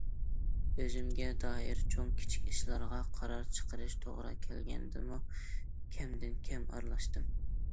ئۆزۈمگە دائىر چوڭ- كىچىك ئىشلارغا قارار چىقىرىش توغرا كەلگەندىمۇ كەمدىن- كەم ئارىلاشتىم.